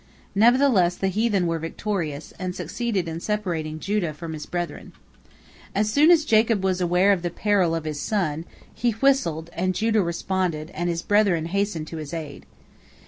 Nevertheless the heathen were victorious, and succeeded in separating Judah from his brethren. As soon as Jacob was aware of the peril of his son, he whistled, and Judah responded, and his brethren hastened to his aid.